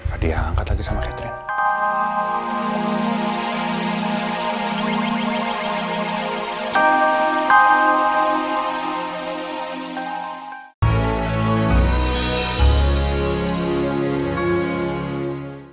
hadi ya angkat lagi sama catherine